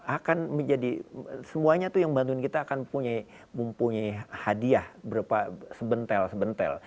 akan menjadi semuanya tuh yang bantuin kita akan mempunyai hadiah berupa sebentel sebentel